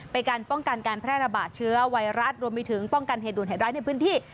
เป็นการป้องกันการแพร่ระบาดเชื้อไวรัสรวมไปถึงป้องกันเหตุด่วนเหตุร้ายในพื้นที่